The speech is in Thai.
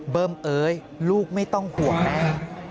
เอ้ยลูกไม่ต้องห่วงแม่